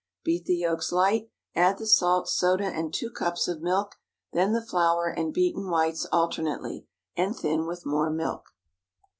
Beat the yolks light, add the salt, soda, and two cups of milk, then the flour and beaten whites alternately, and thin with more milk.